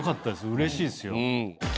うれしいですよ。